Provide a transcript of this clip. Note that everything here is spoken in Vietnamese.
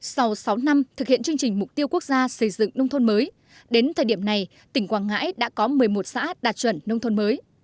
sau sáu năm thực hiện chương trình mục tiêu quốc gia xây dựng nông thôn mới đến thời điểm này tỉnh quảng ngãi đã có một mươi một xã đạt chuẩn nông thôn mới